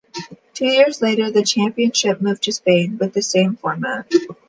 Two years later, the championship moved to Spain, with the same format.